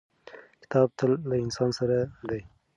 کتاب تل له انسان سره دی.